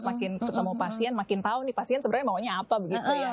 makin ketemu pasien makin tahu nih pasien sebenarnya maunya apa begitu ya